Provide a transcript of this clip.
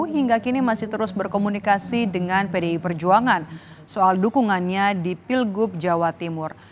hingga kini masih terus berkomunikasi dengan pdi perjuangan soal dukungannya di pilgub jawa timur